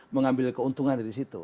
mengambil keuntungan dari situ